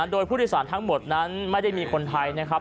โดยผู้โดยสารทั้งหมดนั้นไม่ได้มีคนไทยนะครับ